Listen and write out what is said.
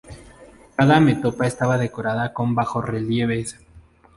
Cada metopa estaba decorada con bajorrelieves.